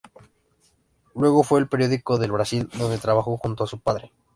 Luego fue al Periódico de Brasil, donde trabajó junto con su padre.